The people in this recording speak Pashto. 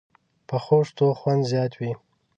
پخو شتو خوند زیات وي